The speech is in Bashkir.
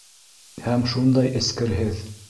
Һәм шундай эскерһеҙ.